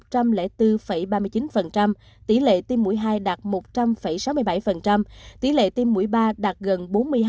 tỷ lệ tiêm vaccine mỗi hai đạt một mươi bốn ba mươi chín tỷ lệ tiêm mỗi hai đạt một trăm linh sáu mươi bảy tỷ lệ tiêm mỗi ba đạt gần bốn mươi hai năm mươi bảy